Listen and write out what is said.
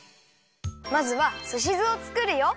まずはすし酢をつくるよ。